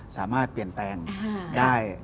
สามารถเปลี่ยนแปลงได้